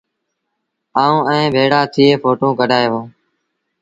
آئو ائيٚݩ ڀيڙآ ٿئي ڦوٽو ڪڍآئي وهو۔